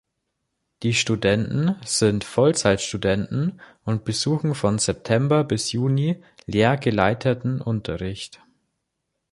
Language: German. Die Studenten sind Vollzeitstudenten und besuchen von September bis Juni lehrergeleiteten Unterricht.